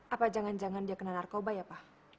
apa jangan jangan dia kena narkoba ya pak